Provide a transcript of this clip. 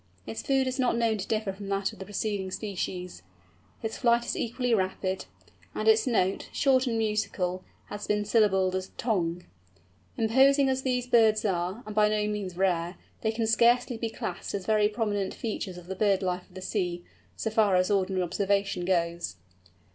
Its food is not known to differ from that of the preceding species; its flight is equally rapid; and its note, short and musical, has been syllabled as tong. Imposing as these birds are, and by no means rare, they can scarcely be classed as very prominent features of the bird life of the sea, so far as ordinary observation goes.